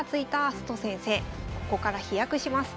ここから飛躍します。